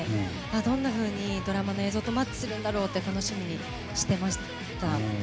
どんなふうにドラマの映像とマッチするんだろうと楽しみにしてました。